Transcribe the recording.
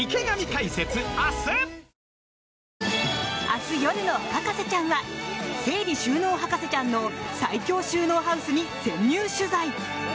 明日夜の「博士ちゃん」は整理収納博士ちゃんの最強収納ハウスに潜入取材。